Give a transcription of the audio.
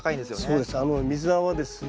そうです。